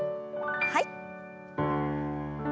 はい。